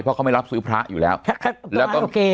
เพราะเขาไม่รับซื้อพระอยู่แล้วแล้วก็โอเค